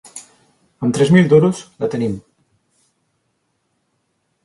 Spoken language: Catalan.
Am tres mil duros la tenim.